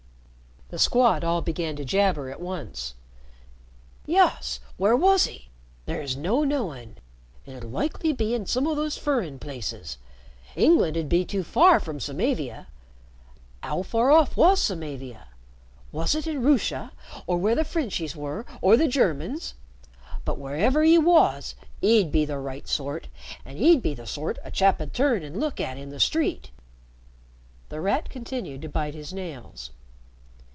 The Squad all began to jabber at once. "Yus, where wos'e? There is no knowin'. It'd be likely to be in some o' these furrin places. England'd be too far from Samavia. 'Ow far off wos Samavia? Wos it in Roosha, or where the Frenchies were, or the Germans? But wherever 'e wos, 'e'd be the right sort, an' 'e'd be the sort a chap'd turn and look at in the street." The Rat continued to bite his nails.